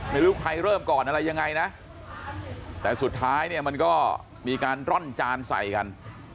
ไม่รู้ใครเริ่มก่อนอะไรยังไงนะแต่สุดท้ายเนี่ยมันก็มีการร่อนจานใส่กัน